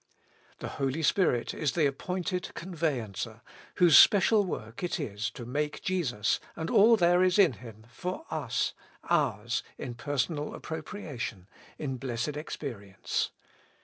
The Holy Spirit is the appointed conveyancer, whose special work it is to make Jesus and all there is in Him for us ours in personal appropriation, in blessed experience.